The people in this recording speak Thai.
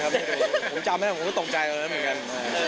ผมจำแล้วผมก็ตกใจกว่านั้นเหมือนกัน